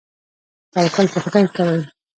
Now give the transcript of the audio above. توکل په خدای کوئ؟